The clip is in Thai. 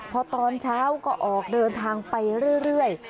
พอตอนเช้าก็ออกเดินทางไปเรื่อย